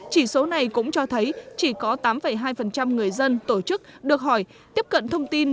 chỉ số này cũng cho thấy chỉ có tám hai người dân tổ chức được hỏi tiếp cận thông tin